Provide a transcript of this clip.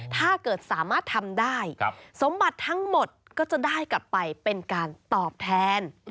ถ้าเกิดสามารถทำได้สมบัติทั้งหมดก็จะได้กลับไปเป็นการตอบแทน